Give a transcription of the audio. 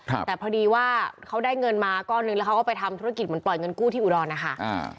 ครับแต่พอดีว่าเขาได้เงินมาก้อนหนึ่งแล้วเขาก็ไปทำธุรกิจเหมือนปล่อยเงินกู้ที่อุดรนะคะอ่า